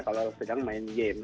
kalau sedang main game